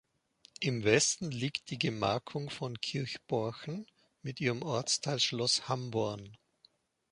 Im Westen liegt die Gemarkung von Kirchborchen mit ihrem Ortsteil Schloß Hamborn.